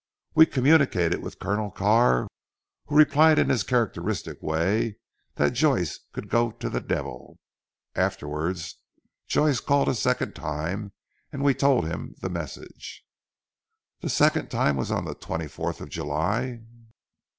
We communicated with Colonel Carr, who replied in his characteristic way that Joyce could go to the devil. Afterwards Joyce called a second time and we told him the message." "The second time was on the twenty fourth of July?"